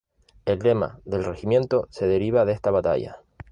El lema del regimiento se deriva de esta batalla.